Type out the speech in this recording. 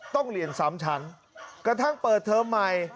ต้องเรียนซ้ำชั้นกระทั่งเปิดเทอมใหม่